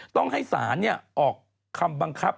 ต้องให้ศาลออกคำบังคับ